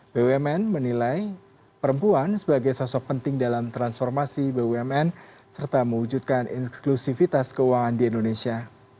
bumn menilai perempuan sebagai sosok penting dalam transformasi bumn serta mewujudkan inklusivitas keuangan di indonesia